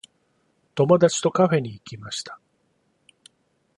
友達とカフェに行きました。